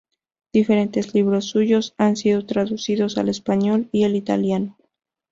Diferentes libros suyos han sido traducidos al español y el italiano